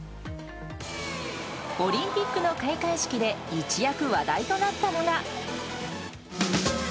オリンピックの開会式で一躍、話題となったのが。